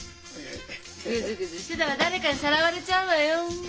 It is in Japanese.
グズグズしてたら誰かにさらわれちゃうわよ。